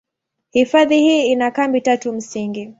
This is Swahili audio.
Hifadhi hii ina kambi tatu msingi.